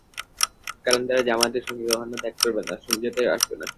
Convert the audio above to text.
কারণ, তারা জামায়াতের সঙ্গ কখনো ত্যাগ করবে না, সমঝোতায়ও আসবে না।